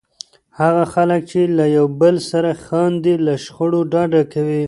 هغه خلک چې له یو بل سره خاندي، له شخړو ډډه کوي.